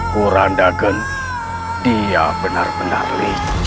kurandagan dia benar benar licik